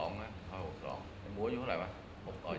๖๒น่ะ๖๒ไอ้หมูอยู่เท่าไหร่วะ๖๐อ้อยังไม่๖๐